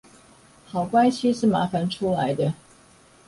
好關係是麻煩出來的